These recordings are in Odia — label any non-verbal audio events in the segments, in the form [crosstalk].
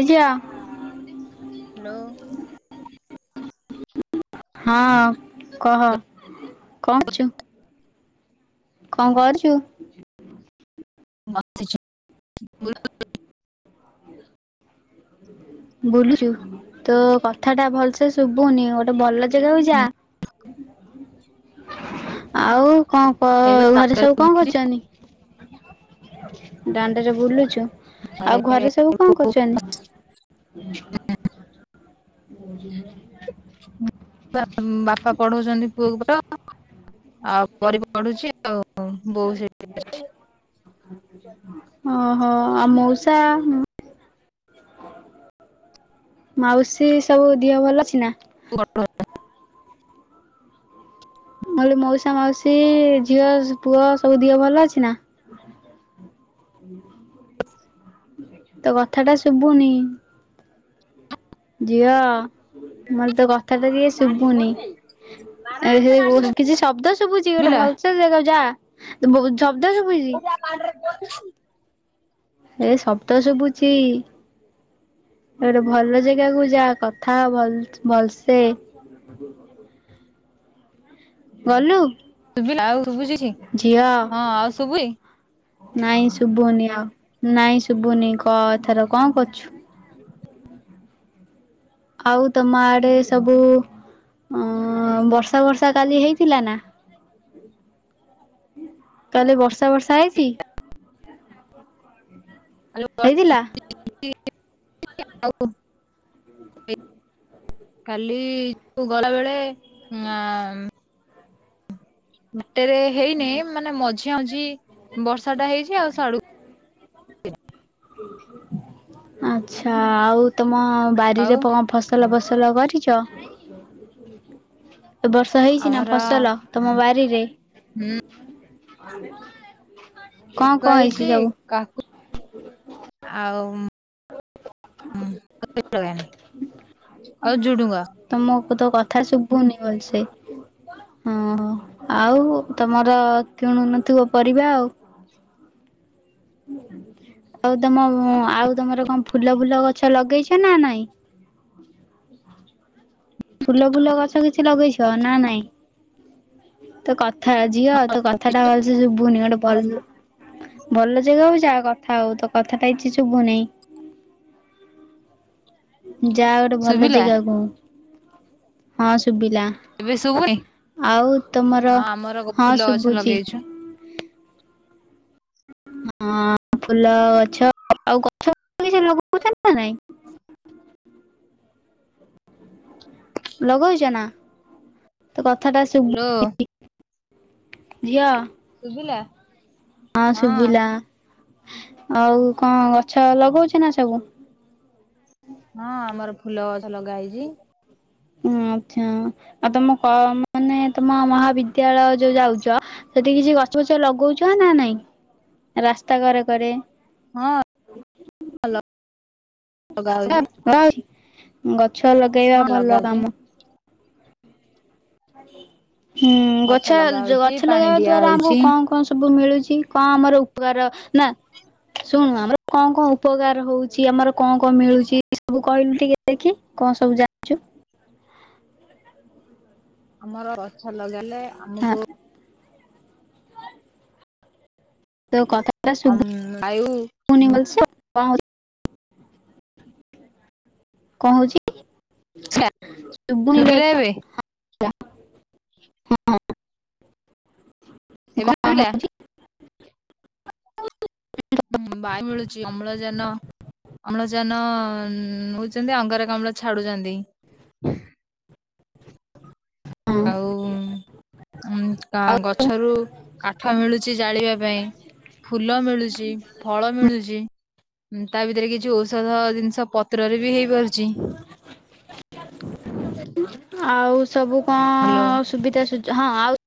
ଏ ଝିଅ ହାଲୋ। ହଁ କହ କଁ ଚୁ? କଁ କରୁଛୁ? [unintelligible] ବୁଲୁଛୁ ତୋ କଥା ଟା ଭଲସେ ଶୁଭୁନି, ଗୋଟେ ଭଲ ଜାଗା କୁ ଯା। ଆଉ କଣ କ ଘରେ ସବୁ କଣ କରୁଛନ୍ତି? ଦାଣ୍ଡରେ ବୁଲୁଛୁ ଆଉ ଘରେ ସବୁ କଣ କରୁଛନ୍ତି? [unintelligible] ବାପା ବାପା ପଢଉଛନ୍ତି ପୁଅକୁ ର ଆଉ ପରି ପଢୁଛି। ଆଉ ବୋଉ ସେଇ ଓହୋ, ଆଉ ମଉସା? ମାଉସୀ ସବୁ ଦିହ ଭଲ ଅଛି ନା? [unintelligible] କହିଲି ମାଉସା, ମାଉସୀ, ଝିଅ ସ ପୁଅ ସବୁ ଦିହ ଭଲ ଅଛି ନା? ତ କଥା ଟା ଶୁଭୁନି। ଝିଅ ମୋତେ କଥା ଟା ଟିକିଏ ଶୁଭୁନି। ଆଇର୍ ଓ ଶୁଭିଲା କିଛି ଶବ୍ଦ ଶୁଭୁଛି ଗୋଟେ ଭଲସେ ଜାଗାକୁ ଯା, ବହୁତ ଶବ୍ଦ ଶୁଭୁଛି। [unintelligible] ଏ ଶବ୍ଦ ଶୁଭୁଛି? ଗୋଟେ ଭଲ ଜାଗାକୁ ଯା କଥା ହୋ ଭଲ-ଭଲସେ। ଗଲୁ ଶୁଭିଲା ଆଉ ଶୁଭୁଚି କିଛି ଝିଅ ହଁ ଆଉ ଶୁଭୁଇ ନାଇଁ ଶୁଭୁନି ଆଉ ନାଇଁ ଶୁଭୁନି କ ଏଥର କଣ କରୁଛୁ? ଆଉ ତମ ଆଡ଼େ ସବୁ ଅଁ ବର୍ଷା ଫର୍ଷା କାଲି ହେଇଥିଲା ନା? ତାହେଲେ ବର୍ଷା ବର୍ଷା ହେଇଛି। ହେଇଥିଲା? [unintelligible] କାଲି ତୁ ଗଲା ବେଳେ ଉଁ ଆଁ ଟେରେ ହେଇନି ମାନେ ମଝିଆଁ ମଝି ବର୍ଷା ଟା ହେଇଛି ଆଉ ସାଡ଼ୁକୁ ଆଛା ଆଉ ତମ ଆଉ ବାରିରେ ପମ ଫସ ଫସଲ ଫସଲ କରିଛ। [inaudible] ଏବର୍ଷ ହେଇଛି ନା ଆମର ଫସଲ ତମ ହୁଁ ବାରିରେ? ଙ୍କ ଲଗା ଙ୍କ ହେଇଛି ହେଇଚି ସବୁ? କାକୁ ଆଉ ହ [unintelligible] ଆଉ ଜୁଡୁଙ୍ଗା। ତମକୁ ତ କଥା ଶୁଭୁନି ଭଲସେ। ହଁ ଆଉ ତମର କିଣୁନଥିବ ପରିବା ଆଉ। ଆଉ ତମ ଆଉ ତମର କଣ ଫୁଲ, ଫୁଲ ଗଛ ଲଗେଇଛ ନା ନାଇଁ। ଫୁଲ ଫୁଲ ଗଛ କିଛି ଲଗେଇଛ ନା ନାଇଁ? ତୋ କଥା ଝିଅ ତୋ କଥାଟା ଭଲସେ ସୁଭୁନି ଗୋଟେ ଭଲ୍ ଭଲ ଯେଗାକୁ ଯା, କଥା ହବୁ ତୋ କଥାଟା କିଛି ଶୁଭୁନାହିଁ। ଯା ଗୋଟେ ଭଲ ଶୁଭିଲା ଯେଗା କୁ। ହଁ ଶୁବିଲା, ଏବେ ଶୁଭୁନି ଆଉ ତମର ହଁ ଆମର ହଁ ଫୁଲ ଗଛ ଶୁଭୁଚି। ଲଗେଇଛୁ ହଁ ଫୁଲ ଗଛ ଆଉ ଗଛ କିଛି ଲଗଉଛନ୍ତି ନା ନାଇଁ। ଲଗଉଛ ନା ତୋ କଥାଟା ହ୍ୟାଲୋ ସୁବୁନି। ଝିଅ। ଶୁଭିଲା ହଁ ଶୁଭିଲା ଆଉ କଣ ଗଛ ଲଗଉଛ ନା ସବୁ। ହଁ ଆମର ଫୁଲ ଗଛ ଲଗା ହେଇଚି। ହଁ ଆଚ୍ଛା ଆଉ ତମ କ ମାନେ ତମ ମହାବିଦ୍ୟାଳୟ ଯୋଉ ଯାଉଚ ସେଠି କିଛି ଗଛ ଫୁଛ ଲଗଉଛ ନା ନାଇଁ ରାସ୍ତା କରେ କରେ। ହଁ [unintelligible] ଲଗା ହଉଛି ଗଛ ଲଗେଇବା ହଁ ଲଗା ଭଲ ହଉଛି କାମ। ହୁଁ ଗଛ ଲଗା ହଉଛି ଗଛ ପାଣି ଲଗେଇବା ଦିଆ ଦ୍ଵାରା ଆମକୁ ହଉଛି କଣ କଣ ସୁବ୍ ସବୁ ମିଳୁଛି କଣ ଆମର ଉପକାର ନା ଶୁଣୁ ଆମର କଣ କଣ ଉପକାର ହଉଛି ଆମର କଣ କଣ ମିଳୁଛି ସବୁ କହିଲୁ ଟିକେ ଦେଖି। କଣ ସବୁ ଯା ଆମର ଅଛ ଲଗାଇଲେ ହଁ ଆମକୁ ତୋ କଥା ତ ବାୟୁ ଶୁଣୁନି ଭଲସେ। କଣ ହଉଛି ସୁବୁନିଲୋ ଶୁଭିଲା ଏବେ ଏବେ କଣ ଶୁବିଲା। ହଉଛି ହୁଁ ବାୟୁ ମିଳୁଛି ଅମ୍ଳଜାନ ଅମ୍ଳଜାନ ଦଉଛନ୍ତି ଅଙ୍ଗରକାମ୍ଳ ଛାଡୁଛନ୍ତି। ହଁ ଆଉ। ଉଁ ଆଉ ଗଛରୁ କାଠ ମିଳୁଛି ଜାଳିବା ପାଇଁ। ଫୁଲ ମିଳୁଛି ଫଳ ମିଳୁଛି। ତା ଭିତରେ କିଛି ଔଷଧ ଜିନିଷ ପତ୍ରରେ ବି ହେଇ ପାରୁଚି। ଆଉ ସବୁ ହ୍ୟାଲୋ କଣ ସୁବିଧା ସୁଜ ହଁ ଆଉ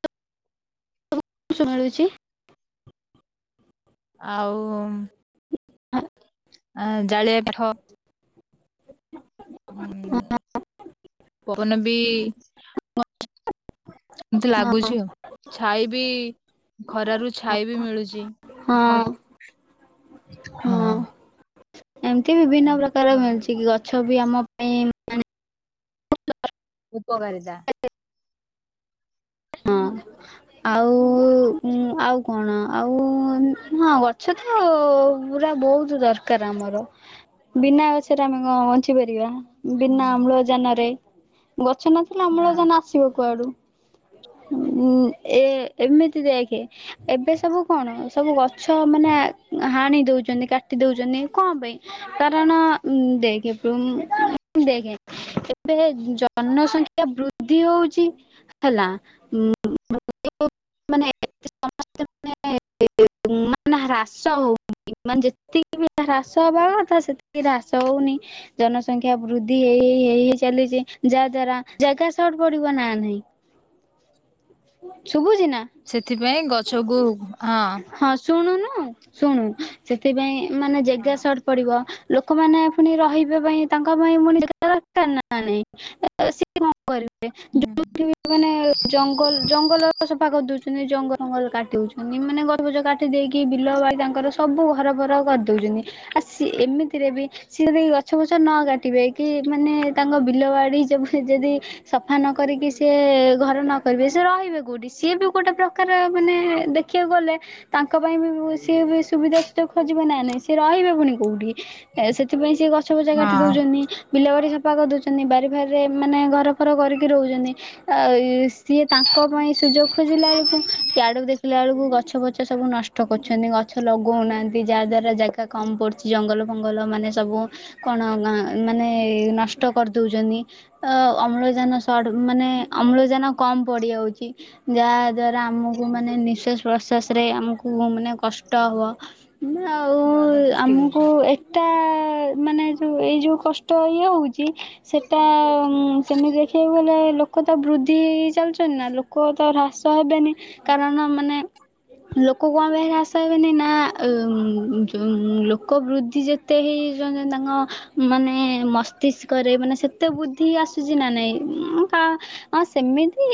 [unintelligible] ଆଉ। [inaudible] ଆ ଜାଳିବା କାଠ। ଉଁ ପବନ ବି। ଏମିତି ଲାଗୁଛି ଆଉ ଛାଇ ବି ଖରାରୁ ଛାଇ ବି ମିଳୁଛି। ହଁ। ହଁ ଏମିତି ବିଭିନ୍ନ ପ୍ରକାର ହଁ ମିଳୁଛି କି ଗଛ ବି ଆମ ପାଇଁ ଉପକାରିତା। ହଁ। ଆଉ ଆଉ କଣ ଆଉ ହଁ ଗଛ ତ ପୁରା ବହୁତ ଦରକାର ଆମର ବିନା ଆସରେ ଆମେ କଣ ବଞ୍ଚି ପାରିବା? ହୁଁ ବିନା ଅମ୍ଳଜାନରେ ଗଛ ନଥିଲେ ହଁ ଅମ୍ଳଜାନ ଆସିବ କୁଆଡୁ? ହୁଁ ଏ ଏମିତି ଦେଖେ ଏବେ ସବୁ କଣ ସବୁ ଗଛ ମାନେ ହାଣି ଦଉଛନ୍ତି କାଟି ଦଉଛନ୍ତି କଣ ପାଇଁ? କାରଣ ଦେଖେ ଦେଖ ଏବେ ଜନସଂଖ୍ୟା ବୃଦ୍ଧି ହଉଛି। ହେଲା ମାନେ ସମସ୍ତେ ସେ ନା ହ୍ରାସ ହଉନି ମାନେ ଯେତିକି ବି ହ୍ରାସ ହେବା ତା ସେତିକି ହ୍ରାସ ହଉନି। ଜନସଂଖ୍ୟା ବୃଦ୍ଧି ହେଇ ହେ ହେଇ ହେଇ ଚାଲିଛି ଯାହା ଦ୍ଵାରା ଜାଗା ସଟ ପଡିବ ନା ନାହିଁ? ଶୁଭୁଛି ନା? ସେଥିପାଇଁ ଗଛକୁ ହଁ। ହଁ ଶୁଣୁନୁ ଶୁଣୁ ସେଥିପାଇଁ ମାନେ ହଁ ଜାଗା ସ ପଡିବ ଲୋକମାନେ ପୁଣି ରହିବା ପାଇଁ ତାଙ୍କ ପାଇଁ ପୁଣି ଦେ ଦରକାର ନା ନାଇଁ ସେ କଣ କରିବେ ଯୋଉ ମାନେ ଜଙ୍ଗଲ ଜଙ୍ଗଲ ସଫା କରିଦଉଛନ୍ତି ଜଙ୍ଗଲ ଜଙ୍ଗଲ କାଟିଉଛନ୍ତି ମାନେ ଗଛ ଗଜ କାଟି ଦେଇକି ବିଲ ବାଡି ତାଙ୍କର ସବୁ ଘରବର କରିଦେଉଛନ୍ତି ଆ ସ ଏମିତିରେ ବି ସିଏ ଯଦ ଗଛ ପଛ ନ କାଟିବେ କି ମାନେ ତାଙ୍କ ବିଲ ବାଡି ଯଦି ସଫା ନ କରିକି ସିଏ ଘର ନ କରିବେ ସେ ରହିବେ କେଉଁଠି ସିଏ ବି ଗୋଟେ ପ୍ରକାର ମାନେ ଦେଖିବାକୁ ଗଲେ। ତାଙ୍କ ପାଇଁ ବି ସିଏ ବି ସୁବିଧା ସୁଯୋଗ ଖୋଜିବ ନା ନାଇଁ ସି ରହିବେ ପୁଣି କୋଉଠି ସେଥିପାଇଁ ସିଏ ଗଛ ପଛ କାଟି ହଁ ଦଉଛନ୍ତି। ବିଲା ବାଡ଼ି ସଫା କରିଦଉଛନ୍ତି ବାରି ଫାରିରେ ମାନେ ଘର ଫର କରିକି ରହୁଛନ୍ତି ଆଉ ସିଏ ତାଙ୍କ ପାଇଁ ସୁଯୋଗ ଖୋଜିଲା ବେଳକୁ ଆଡକୁ ଦେଖ ପିଲାବେଳକୁ ଗଛ ପଛ ସବୁ ନଷ୍ଟ କରୁଛନ୍ତି ଗଛ ଲଗଉନାହାନ୍ତି ଯାହା ଦ୍ଵାରା ଜାଗା। କମ୍ ପଡ଼ୁଛି ଜଙ୍ଗଲ ଫଙ୍ଗଲ ମାନେ ସବୁ କଣ ମାନେ ନଷ୍ଟ କରିଦଉଛନ୍ତି? ଅ ଅମ୍ଳଜାନ ସ ମାନେ ଅମ୍ଳଜାନ କମ ପଡିଯାଉଛି। ଯାହା ଦ୍ଵାରା ଆମକୁ ମାନେ ନିଃଶ୍ୱାସ ପ୍ରଶ୍ୱାସ ରେ ଆମକୁ ମାନେ କଷ୍ଟ ହବ। ଆଉ ବାଧା ସୃଷ୍ଟି ଆମକୁ କରୁଛି ଏଟା ମାନେ ଯୋଉ ଏଇ ଯୋଉ କଷ୍ଟ ଇଏ ହଉଛି। ସେଟା ସେମିତି ଦେଖିବାକୁ ଗଲେ ଲୋକ ତ ବୃଦ୍ଧି ଚାଲୁଛନ୍ତି ନା ଲୋକ ତ ହ୍ରାସ ହେବେନି କାରଣ ମାନେ ଲୋକ କଣ ପାଇଁ ପାଖରେ ଆଶା ହେବେନି ନା ଲୋକ ବୃଦ୍ଧି ଯେ ତେ ହେଇ ତାଙ୍କ ମାନେ ମସ୍ତିଷ୍କରେ ମାନେ ସେତେ ବୁଦ୍ଧି ଆସୁଛି ନା ନାଇଁ କା ହଁ ସେମିତି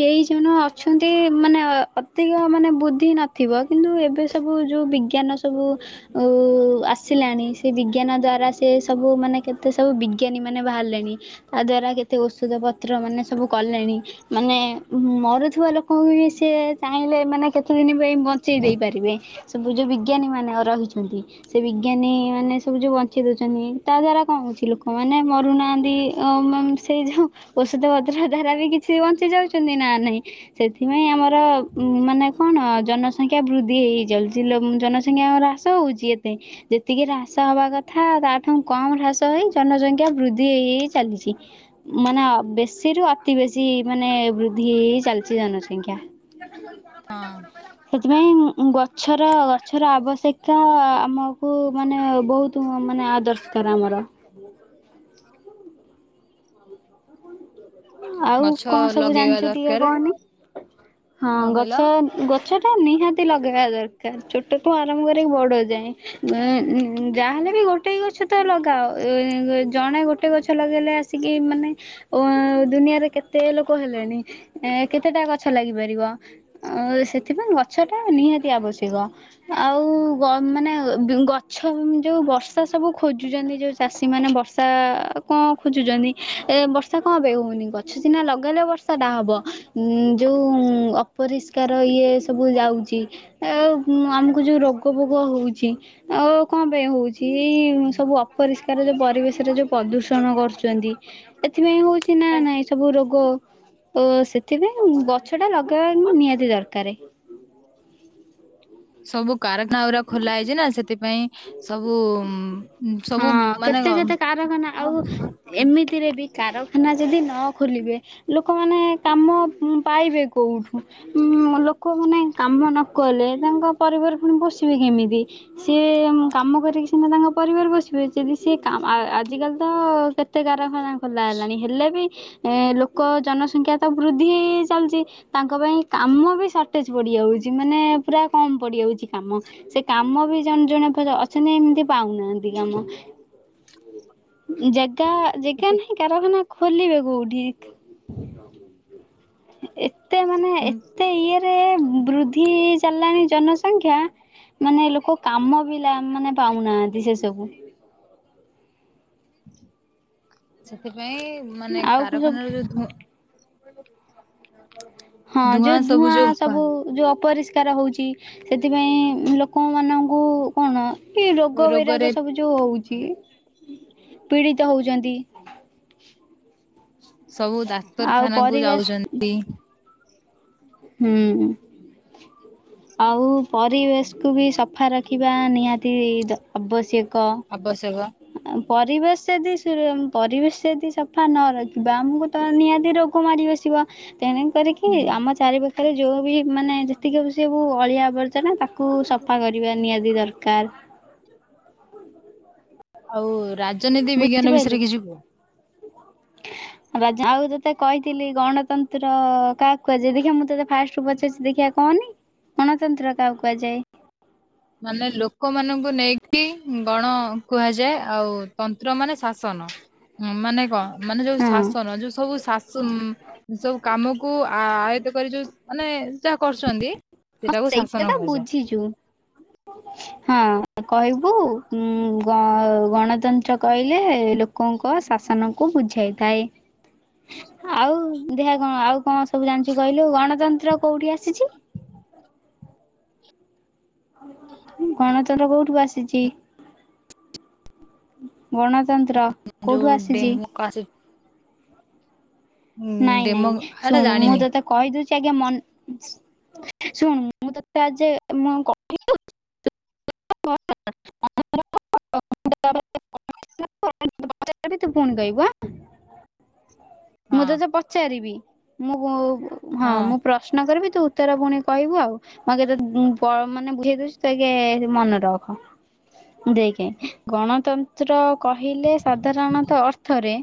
କେହି ଜଣ ଅଛନ୍ତି ମାନେ ଅଧିକ ମାନେ ବୁଦ୍ଧି ନ ଥିବ କିନ୍ତୁ ଏବେ ସବୁ ଯେଉଁ ବିଜ୍ଞାନ ସବୁ ଉ ଆସିଲାଣି ସେ ବିଜ୍ଞାନ ଦ୍ଵାରା ସେ ସବୁ ମାନେ କେତେ ସବୁ ବିଜ୍ଞାନୀ ମାନେ ବାହାରିଲେଣି ତା ଦ୍ଵାରା କେତେ ଔଷଧ ପତ୍ର ମାନେ ସବୁ କଲେଣି ମାନେ ମରୁଥିବା ଲୋକଙ୍କୁ ବି ସେ ଚାହିଁଲେ ଏମାନେ କେତେ ପ୍ରତି ଦିନ ପାଇଁ ବଞ୍ଚେଇ ଦେଇ ପାରିବେ ସବୁ ଯଉ ବିଜ୍ଞାନୀ ମାନେ ରହିଛନ୍ତି। ସେ ବିଜ୍ଞାନୀ ମାନେ ସବୁ ଯୋଉ ବଞ୍ଚେଇ ଦଉଛନ୍ତି ତା ଦ୍ଵାରା କଣ ହଉଛି ଲୋକ ମାନେ ମରୁନାହାନ୍ତି ସେଇ ଯୋଉ ଔଷଧପତ୍ର ଦ୍ୱାରା ବି କିଛି ବଞ୍ଚି ଯାଉଛନ୍ତି ନା ନାହିଁ। ସେଥିପାଇଁ ଆମର ଉ ମାନେ କଣ ଜନସଂଖ୍ୟା ବୃଦ୍ଧି ହେଇ ହେଇ ଯାଉଛି ଲୋମ ଜନସଂଖ୍ୟା ଆମର ହଉଛି ଏତେ ଯେତିକି ହ୍ରାସ ହବା କଥା ତାଠୁ କମ ହ୍ରାସ ହେଇ ଜନସଂଖ୍ୟା ବୃଦ୍ଧି ହେଇ ହେଇ ଚାଲିଛି। ମାନେ ବେସି ସେଠୁ ଅତି ବେଶୀ ମାନେ ବୃଦ୍ଧି ହେଇ ହେଇ ଚାଲିଛି ଜନସଂଖ୍ୟା। ବଡ ପଇଲା ହଁ ବଡ କଇଲା ସେଥିପାଇଁ ଉ ଗଛର ଗଛର ଆବଶ୍ୟକ ଆମକୁ ମାନେ ବହୁତ ତୁ ମାନେ ଆ ଦରକାର ଆମର ହୁଁ ଆଉ ଗଛ କଣ ସବୁ ଲଗେଇବା ଜାଣିଛୁ ଟିକେ ଦରକାର କହନି ହଁ କଣ ଗଛ କହିଲ ଗଛ ଟା ନିହାତି ଲଗେଇବା ଦରକାର ଛୋଟଠୁ ଆରମ୍ କରିକି ବଡ ଯାଏଁ ଉ ଯାହାହେଲେ ବି ଗୋଟେ ଗଛ ତ ଲଗାଅ ଜଣେ ଗୋଟେ ଗଛ ଲଗେଇଲେ ଆ ସିଗି ମାନେ ଅ ଦୁନିଆରେ କେତେ ଲୋକ ହେଲେଣି ଏ କେତେଟା ଗଛ ଲାଗିପାରିବ ଆ ସେଥିପାଇଁ ଗଛ ଟା ନିହାତି ଆବଶ୍ୟକ ଆଉ ଗ ମାନେ ଗଛ ଯୋଉ ବର୍ଷା ସବୁ ଖୋଜୁଛନ୍ତି ଯୋଉ ଚାଷୀ ମାନେ ବର୍ଷା କଣ ଖୋଜୁଛନ୍ତି ଏ ବର୍ଷା କପାଇ ହଉନି ଗଛ ସିନା ଲଗାଇଲେ ବର୍ଷାଟା ହବ ଉ ଯୋଉ ଅପରିଷ୍କାର ଇଏ ସବୁ ଯାଉଛି ଆ ଆମକୁ ଯେଉଁ ରୋଗ ବୋଗ ହେଉଛି ଆଉ କଣ ପାଇଁ ହଉଛି ଏଇ ସବୁ ଅପରିଷ୍କାର ଯୋଉ ପରିବେଶରେ ଯୋଉ ପ୍ରଦୂଷଣ କରୁଛନ୍ତି। ଏଥିପାଇଁ ହଉଛି ନା ନାଇଁ ସବୁ ରୋଗ ତ ସେଥିପାଇଁ ଗଛ ଟା ଲଗେଇବା କି ନିହାତି ଦରକାରେ। ସବୁ କାରଖାନା ଗୁରା ଖୋଲା ହେଇଛି ନା ସେଥିପାଇଁ ସବୁ ହଁ ସବୁ ମାନେ କେତେ କେତେ କାରଖାନା ଆଉ କଣ ଏମିତିରେ ବି କାରଖାନା ଯଦି ନ ଖୋଲିବେ ଲୋକମାନେ କାମ ଉ ପାଇବେ କୋଉଠୁ? ଉଁ ଲୋକମାନେ କାମ ନ କଲେ ତାଙ୍କ ପରିବାର ପୁଣି ପୁଷିବେ କେମିତି। ସିଏ କାମ କରିକି ସିନା ତାଙ୍କ ପରିବାର ପୁ ଯଦି ସିଏ କାମ ଆ ଆଜିକାଲି ତ କେତେ କାରଖାନା ଖୋଲା ହେଲାଣି ହେଲେ ବି ଏ ଲୋକ ଜନସଂଖ୍ୟା ତ ବୃଦ୍ଧି ହେଇ ହେଇ ଚାଲିଛି। ତାଙ୍କ ପାଇଁ କାମ ବି ସର୍ଟେଜ ପଡିଯାଉଛି ମାନେ ପୁରା କମ ପଡିଯାଉଛି କାମ। ସେ କାମ ବି ଜଣେ ଜଣେ କର ଅଛନ୍ତି ଏମିତି ପାଉନାହାନ୍ତି। କି କାମ ଜାଗା, ଜାଗା ସେଥି ନାହିଁ କାରଖାନା ଖୋଲିବେ କୋଉଠି? ଏତେ ମାନେ ହୁଁ ଏତେ ଇଏରେ ବୃଦ୍ଧି ଚାଲିଲାଣି ଜନସଂଖ୍ୟା ମାନେ ଲୋକ କାମ ବି ଲା ମାନେ ପାଉନାହାନ୍ତି ଶେଷକୁ। ସେଥିପାଇଁ ମାନେ ଆଉ ସବୁ କାରଖାନା ରୁ ଯୋଉ ଧୂ ହଁ ଯୋଉ ଧୂଆଁ ସବୁ ଯୋଉ ଅପରିଷ ସ୍କାର ହଉଛି ସେଥିପାଇଁ ଲୋକମାନଙ୍କୁ କଣ ଏ ରୋଗ ରୋଗରେ ବୈରାଗ ସବୁ ଯୋଉ ହଉଛି ପୀଡିତ ହଉଛନ୍ତି। ସବୁ ଆଉ ଡାକ୍ତରଖାନା କୁ ପରିବେଶ ଯାଉଛନ୍ତି। ହୁଁ। [inaudible] ଆଉ ପରିବେଶକୁୁ ବି ସଫା ରଖିବା ନିହାତି ଦ ଅବଶ୍ୟକ। ଆବଶ୍ୟକ। ଆ ପରିବେଶ ଦି ସି ପରିବେଶ ଯଦି ସଫା ନ ରଖିବା ଆମକୁ ତ ନିହାତି ରୋଗ ମାଡି ବସିବ, ତେଣି କରିକି ହୁଁ। ଆମ ଚାରିପାଖ ଆରେ ଯୋଉ ବି ମାନେ ଯେତିକି ସବୁ ଅଳିଆ ଆବର୍ଜନା ତାକୁ ସଫା କରିବା ନିହାତି ଦରକାର। ଆଉ ରାଜନୀତିବିଜ୍ଞାନ ବୁଝିପାଇଲୁ ବିଷୟରେ କିଛି କୁ। ରାଜା ଆଉ ତତେ କହିଥିଲି ଗଣତନ୍ତ୍ର କାହାକୁ କୁହାଯାଏ? ଦେଖିବା ମୁଁ ତତେ ଫାଷ୍ଟୁ ପଚାରୁଛି ଦେଖିଆ। କଅନି ଗଣତନ୍ତ୍ର କାହାକୁ କୁହାଯାଏ? ମାନେ ଲୋକମାନଙ୍କୁ ନେଇକି ଗଣ କୁହାଯାଏ, ଆଉ ତନ୍ତ୍ର ମାନେ ଶାସନ। ହଁ ମାନେ ଙ୍କ ମାନେ ଯୋଉ ହଁ ଶାସନ ଯୋଉ ସବୁ ଶାସନ ସ ଉ ସବୁ କାମକୁ ଆୟତ କରି ଯୋଉ ମାନେ ଯାହା କରୁଛନ୍ତି। ଏଟାକୁ ଶାସନ କହାଯାଏ। ଇଯୁ [inaudible] ହଁ କହିବୁ ଉଁ ଗ ଗଣତନ୍ତ୍ର କହିଲେ ଲୋ କଙ୍କ ଶାସନକୁ ବୁଝାଇଥାଏ। [inaudible] ଆଉ ଦେହିଆ କଁ ଆଉ କଁ ସବୁ ଜାଣିଚୁ କହିଲୁ ଗଣତନ୍ତ୍ର କୋଉଠି ଆସିଚି? ଗଣତନ୍ତ୍ର କୋଉଠୁ ଆସିଚି? ଗଣତନ୍ତ୍ର। ଯୋଉ କୋଉଠୁ ଆସିଛି? ଡେମୁକାଶି ଉଁ ଡେମ ହେଟା ଜାଣିନି। କହି ଦୋଉଚି ଆଗେ ମନ୍ ଶୁଣୁ ମୁଁ ତତେ ଆଜେ ମୁଁ ଆଉ କ [inaudible] [inaudible] ମୁଁ ଯା କଇବି ତୁ ପୁଣି କହିବୁ ଆଁ। ହଁ ମୁଁ ତତେ ପଚାରିବି ମୁଁ ହଁ ମୁଁ ପ୍ର ଶ୍ନ କରିବି ତୁ ଉତ୍ତର ପୁଣି କହିବୁ ଆଉ। ମତେ ଟ ପ ମାନେ ବୁଝେଇ ଦୋଉଚି ତୁ ଆଗେ ମନ ରଖ ଦେଖେ ଗଣତ ତ୍ର କହିଲେ ସାଧାରଣତ ଅର୍ଥରେ